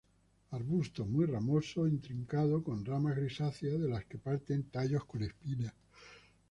Arbusto muy ramoso, intrincado, con ramas grisáceas, de las que parten tallos con espinas.